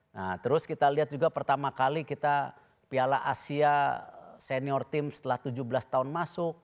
nah terus kita lihat juga pertama kali kita piala asia senior tim setelah tujuh belas tahun masuk